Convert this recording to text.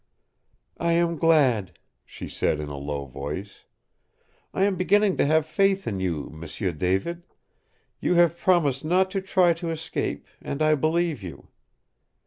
"I am glad," she said in a low voice. "I am beginning to have faith in you, M'sieu David. You have promised not to try to escape, and I believe you.